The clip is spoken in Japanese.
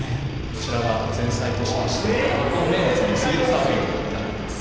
こちらが前菜としまして２９ＯＮ名物の薄切りサーロインになっております。